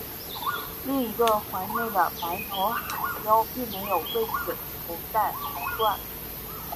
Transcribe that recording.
另一个环内的白头海雕并没有为此头戴皇冠。